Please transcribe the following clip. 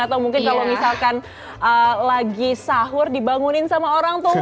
atau mungkin kalau misalkan lagi sahur dibangunin sama orang tua